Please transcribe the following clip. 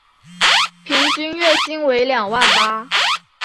平均月薪为两万八